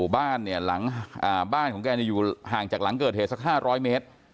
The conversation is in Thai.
บ้านแกอยู่ห่างจากหลังเกิดเหตุหาก๕๐๐เมตร